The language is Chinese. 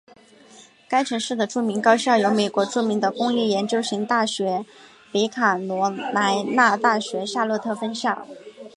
该城市的著名高校有美国著名的公立研究型大学北卡罗莱纳大学夏洛特分校。